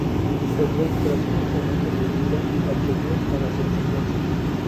El rey, tras unos momentos de duda, accedió a las exigencias.